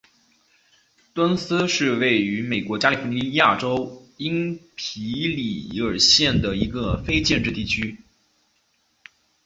杜恩斯是位于美国加利福尼亚州因皮里尔县的一个非建制地区。